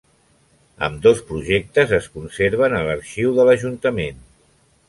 Ambdós projectes es conserven a l'arxiu de l'Ajuntament.